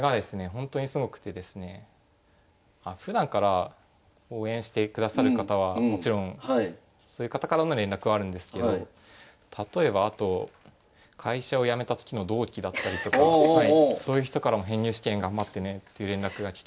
ほんとにすごくてですねふだんから応援してくださる方はもちろんそういう方からの連絡はあるんですけど例えばあとそういう人からも「編入試験頑張ってね」っていう連絡がきたりとか。